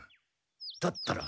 だったら。